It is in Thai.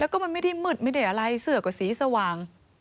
ก็มันไม่ได้มืดไม่ได้อะไรเสือกกว่าสีสว่าง